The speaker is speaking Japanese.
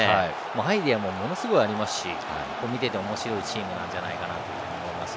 アイデアもものすごいありますし見ていておもしろいシーンなんじゃないかなと思います。